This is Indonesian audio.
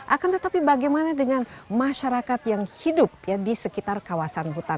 akan tetapi bagaimana dengan masyarakat yang hidup ya di sekitar kawasan hutan